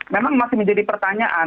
memang masih menjadi pertanyaan